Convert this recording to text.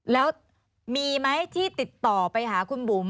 แล้วมีไหมที่ติดต่อไปหาคุณบุ๋ม